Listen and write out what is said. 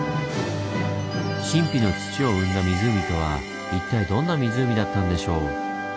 神秘の土を生んだ湖とは一体どんな湖だったんでしょう？